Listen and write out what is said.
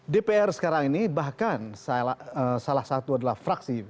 dpr sekarang ini bahkan salah satu adalah fraksi